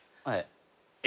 はい。